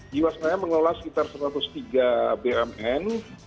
jiwasraya mengelola sekitar satu ratus tiga bumn